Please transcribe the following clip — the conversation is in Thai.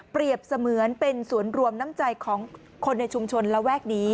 เปรียบเสมือนเป็นสวนรวมน้ำใจของคนในชุมชนระแวกนี้